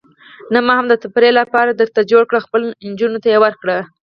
نه، ما هم د تفریح لپاره درته جوړ کړل، خپلو نجونو ته یې ورکړه.